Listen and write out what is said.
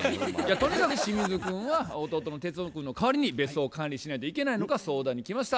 とにかく清水君は弟の哲夫君の代わりに別荘を管理しないといけないのか相談に来ました。